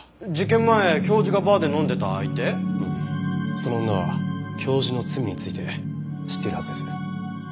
その女は教授の罪について知っているはずです。